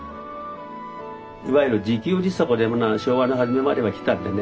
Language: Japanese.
いわゆる自給自足で昭和の初めまではきたんでね。